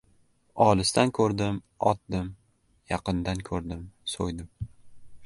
Olisdan ko‘rdim — otdim, yaqindan ko‘rdim — so‘ydim.